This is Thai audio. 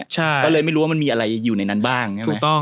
ก็เลยไม่รู้ว่ามันมีอะไรอยู่ในนั้นบ้าง